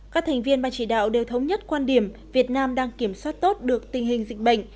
các thành viên ban chỉ đạo đều thống nhất quan điểm việt nam đang kiểm soát tốt được tình hình dịch bệnh